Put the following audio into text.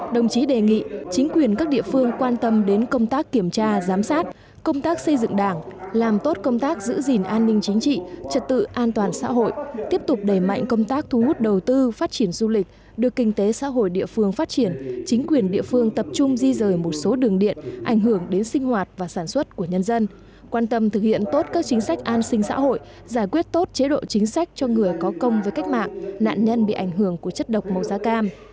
đồng chí đề nghị chính quyền các địa phương quan tâm đến công tác kiểm tra giám sát công tác xây dựng đảng làm tốt công tác giữ gìn an ninh chính trị trật tự an toàn xã hội tiếp tục đẩy mạnh công tác thu hút đầu tư phát triển du lịch đưa kinh tế xã hội địa phương phát triển chính quyền địa phương tập trung di rời một số đường điện ảnh hưởng đến sinh hoạt và sản xuất của nhân dân quan tâm thực hiện tốt các chính sách an sinh xã hội giải quyết tốt chế độ chính sách cho người có công với cách mạng nạn nhân bị ảnh hưởng của chất độc màu da cam